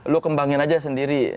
lu kembangin aja sendiri